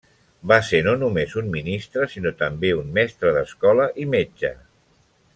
Va ser no només un ministre, sinó també un mestre d'escola, i metge.